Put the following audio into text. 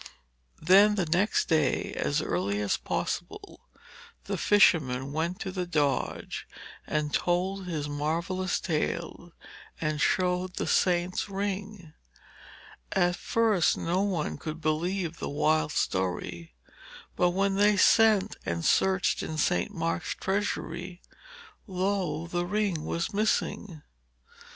Then the next day, as early as possible, the fisherman went to the Doge and told his marvellous tale and showed the saint's ring. At first no one could believe the wild story, but when they sent and searched in St. Mark's treasury, lo! the ring was missing.